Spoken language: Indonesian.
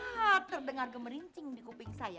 hah terdengar gemerincing di kuping saya